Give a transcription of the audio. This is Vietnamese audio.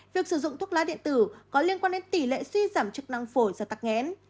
việc sử dụng thuốc lá điện tử có liên quan đến tỷ lệ suy giảm chức năng phổi do tắc nghẽn